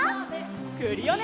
クリオネ！